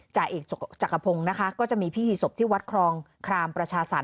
จ่าเอกจักรพงศ์นะคะก็จะมีพิธีศพที่วัดครองครามประชาสรร